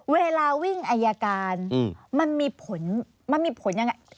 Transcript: เวลาวิ่งอัยการมันมีผลยังไง